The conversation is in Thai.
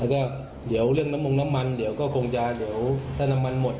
แล้วก็เดี๋ยวเล่นน้ำมงน้ำมันเดี๋ยวก็คงจะเดี๋ยวถ้าน้ำมันหมด